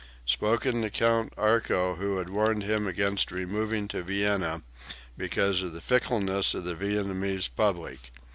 (Spoken to Count Arco who had warned him against removing to Vienna because of the fickleness of the Viennese public.